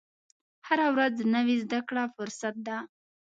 هره ورځ نوې زده کړه فرصت ده.